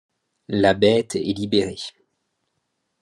La bête est libérée.